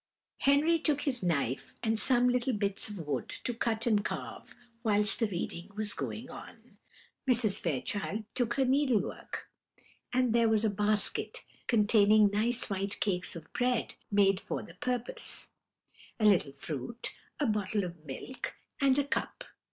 Henry took his knife and some little bits of wood to cut and carve whilst the reading was going on; Mrs. Fairchild took her needlework; and there was a basket containing nice white cakes of bread made for the purpose, a little fruit, a bottle of milk, and a cup.